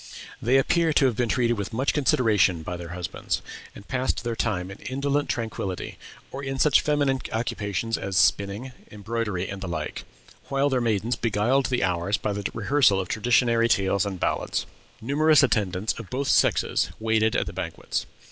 They appear to have been treated with much consideration by their husbands; and passed their time in indolent tranquillity, or in such feminine occupations as spinning, embroidery, and the like; while their maidens beguiled the hours by the rehearsal of traditionary tales and ballads. "Numerous attendants of both sexes waited at the banquets.